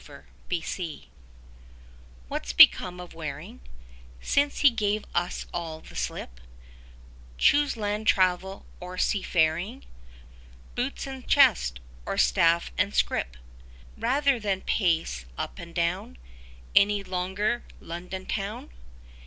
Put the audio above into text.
WARING What's become of Waring Since he gave us all the slip, Chose land travel or seafaring, Boots and chest or staff and scrip, Rather than pace up and down 5 Any longer London town?